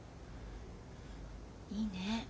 いいね。